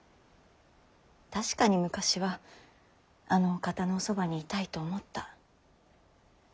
確かに昔はあのお方のおそばにいたいと思った。